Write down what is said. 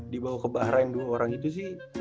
dibawa ke bahrain dua orang itu sih